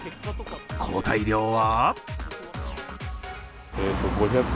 抗体量は？